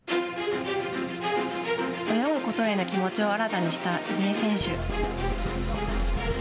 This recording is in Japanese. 泳ぐことへの気持ちを新たにした入江選手。